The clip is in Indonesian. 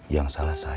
yang salah sama kamu